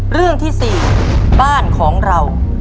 เรื่องที่๔บ้านของเรา